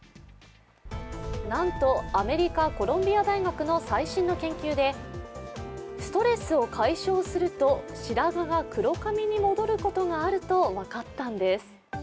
なんと、アメリカ・コロンビア大学の最新の研究でストレスを解消すると白髪が黒髪に戻ることがあると分かったんです。